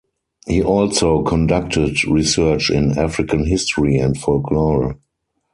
He also conducted research in African history and folklore.